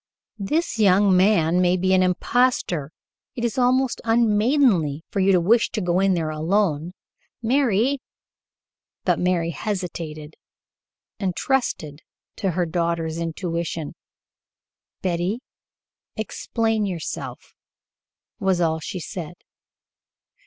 "This young man may be an impostor. It is almost unmaidenly for you to wish to go in there alone. Mary " But Mary hesitated and trusted to her daughter's intuition. "Betty, explain yourself," was all she said.